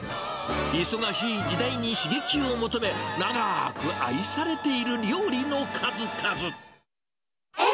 忙しい時代に刺激を求め、長ーく愛されている料理の数々。